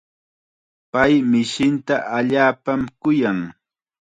Pay mishinta allaapam kuyan.